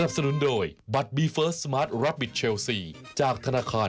สวัสดีค่ะ